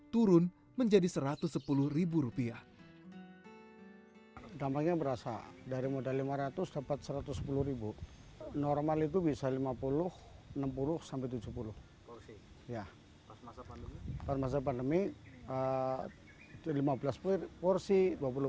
turun menjadi satu ratus sepuluh ribu rupiah